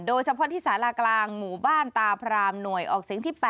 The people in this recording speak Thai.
โดยเฉพาะที่สารากลางหมู่บ้านตาพรามหน่วยออกเสียงที่๘